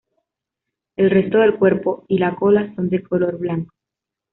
El resto del cuerpo y la cola son de color blanco.